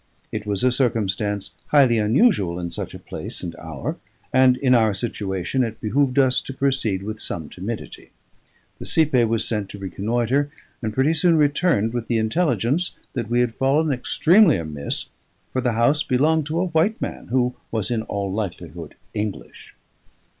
It was a circumstance highly unusual in such a place and hour; and, in our situation, it behoved us to proceed with some timidity. The cipaye was sent to reconnoitre, and pretty soon returned with the intelligence that we had fallen extremely amiss, for the house belonged to a white man, who was in all likelihood English.